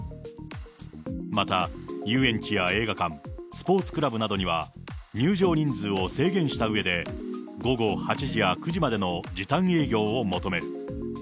また遊園地や映画館、スポーツクラブなどには、入場人数を制限したうえで、午後８時や９時までの時短営業を求める。